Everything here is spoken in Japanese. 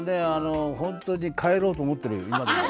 ホントに帰ろうと思ってる今でも。